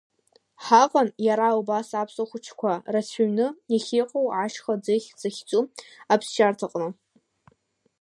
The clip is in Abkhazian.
Ҳаҟан иара убас аԥсуа хәыҷқәа рацәаҩны иахьыҟоу ашьха ӡыхь захьӡу аԥсшьарҭаҟны.